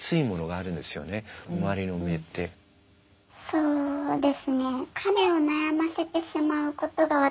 そうですね。